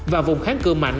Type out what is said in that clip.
và vùng kháng cử mạnh